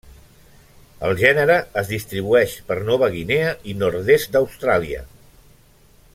El gènere es distribueix per Nova Guinea i nord-est d'Austràlia.